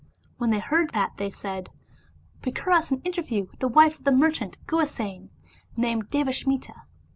When they heard that they said, " Procure us an interview with the wife of the merchant Guhasena named Devasmita."